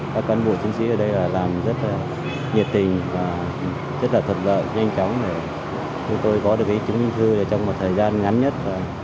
các cán bộ chứng sĩ ở đây là làm rất là nhiệt tình rất là thật lợi nhanh chóng để tôi có được cái chứng minh thư trong một thời gian ngắn nhất